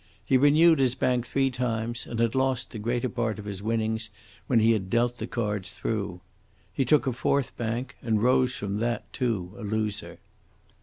He renewed his bank three times, and had lost the greater part of his winnings when he had dealt the cards through. He took a fourth bank, and rose from that, too, a loser.